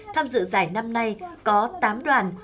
tham dự giải năm nay có tám đoàn